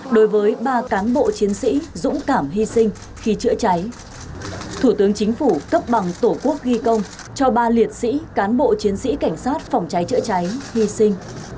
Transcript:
đối với ba cán bộ chiến sĩ dũng cảm hy sinh khi chữa cháy thủ tướng chính phủ cấp bằng tổ quốc ghi công cho ba liệt sĩ cán bộ chiến sĩ cảnh sát phòng cháy chữa cháy hy sinh